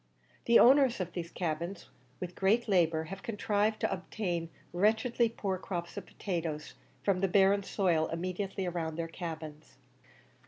The owners of these cabins, with great labour, have contrived to obtain wretchedly poor crops of potatoes from the barren soil immediately round their cabins.